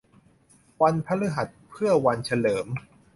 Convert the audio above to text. วันพฤหัสเพื่อวันเฉลิม